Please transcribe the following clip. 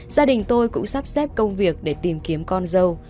gia đình tôi cũng sắp xếp công việc để tìm kiếm con dâu